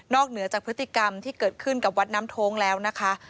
เหนือจากพฤติกรรมที่เกิดขึ้นกับวัดน้ำโท้งแล้วนะคะ